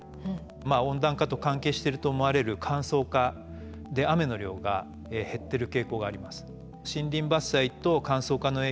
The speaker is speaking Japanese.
温暖化と関係してると思われる乾燥化で雨の量が減ってる傾向があります。